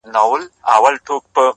په سل ځله دي غاړي ته لونگ در اچوم؛